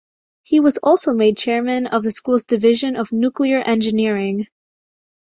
He was also made chairman of the school's division of nuclear engineering.